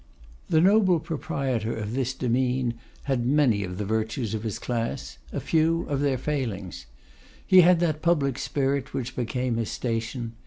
The noble proprietor of this demesne had many of the virtues of his class; a few of their failings. He had that public spirit which became his station.